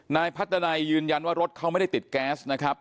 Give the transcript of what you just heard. นายพัฒนานัยยืนยันว่ารถเขาไม่ได้ติดแก๊สนะครับ